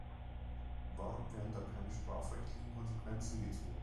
Warum werden da keine strafrechtlichen Konsequenzen gezogen?